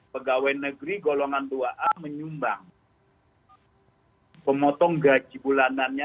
pegawai negeri golongan dua a menyumbang pemotong gaji bulanannya